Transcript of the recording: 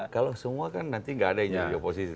kalau semua kan nanti gak ada yang jadi oposisi